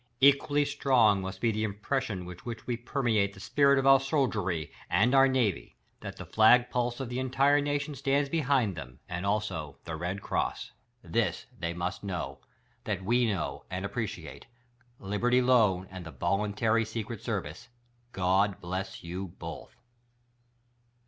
Equally s'trong must be the impression vrith which we permeate the spirit of our soldiery, and our navy— that the flag pulse of the entire nation stands behind them; and, also, the Red Cross. This they must know: That we know, and appreciate. Libertv Loan and the Voluntary Secret Service — God Bless You Both